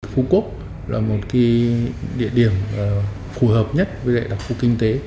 phú quốc là một địa điểm phù hợp nhất với đại đặc phục kinh tế